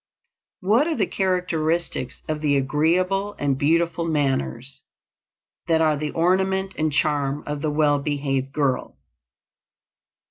What are the characteristics of the agreeable and beautiful manners that are the ornament and charm of the well behaved girl?